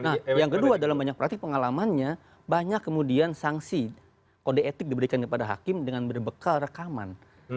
nah yang kedua dalam banyak praktik pengalamannya banyak kemudian sanksi kode etik diberikan kepada hakim dengan berbekal rekaman